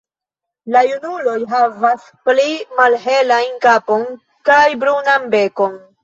La junuloj havas pli malhelajn kapon kaj brunan bekon.